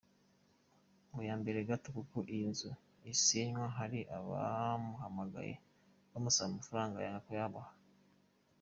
Ngo mbere gato y’ uko iyi nzu isenywa hari abamuhamagaye bamusaba amafaranga yanga kuyabaha.